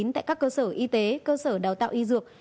tại các cơ sở y tế cơ sở đào tạo y dược